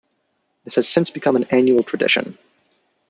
This has since become an annual tradition.